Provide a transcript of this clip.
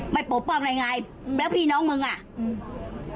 ปกป้องอะไรไงแล้วพี่น้องมึงอ่ะอืม